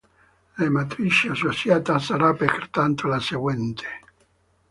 La matrice associata sarà pertanto la seguente